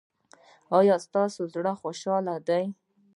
ایا ستاسو زړه خوشحاله دی؟